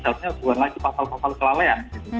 seharusnya bukan lagi pasal pasal kelalaian gitu